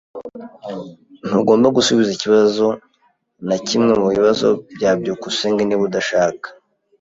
Ntugomba gusubiza ikibazo na kimwe mubibazo bya byukusenge niba udashaka.